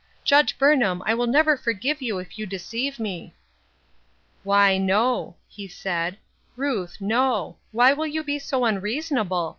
Judge Burnham, I will never forgive you if you deceive me." " Why, no," he said, " Ruth, no ; why will you be 80 unreasonable?